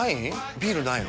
ビールないの？